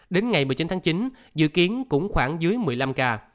đến ngày một mươi chín tháng chín dự kiến cũng khoảng dưới một mươi năm ca